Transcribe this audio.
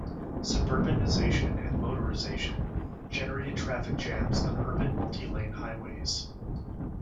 Suburbanization and motorization generated traffic jams on urban multi-lane highways.